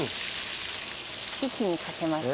一気にかけます。